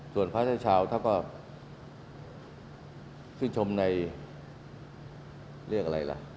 ส่วนภาคไทยเชี่ยวถ้าก็ชื่อชมในเรื่องอะไรละ